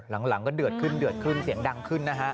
หลังก็เดือดขึ้นเดือดขึ้นเสียงดังขึ้นนะฮะ